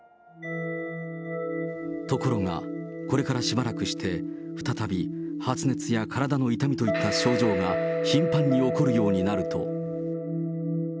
ところが、これからしばらくして、再び発熱や体の痛みといった症状が頻繁に起こるようになると。